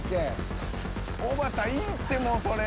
おばたいいってもうそれ。